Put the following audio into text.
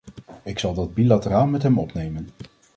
Ik zal dat bilateraal met hem opnemen.